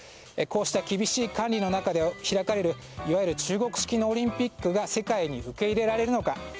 こうした厳しい管理の中で開かれるいわゆる中国式のオリンピックが世界に受け入れられるのか。